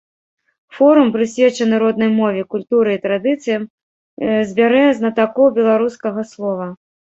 Форум, прысвечаны роднай мове, культуры і традыцыям, збярэ знатакоў беларускага слова.